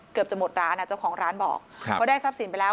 เกือบจะหมดร้านอ่ะเจ้าของร้านบอกเขาได้ทรัพย์สินไปแล้ว